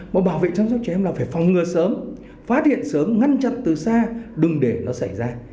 mà bảo vệ chăm sóc trẻ em là phải phòng ngừa sớm phát hiện sớm ngăn chặn từ xa đừng để nó xảy ra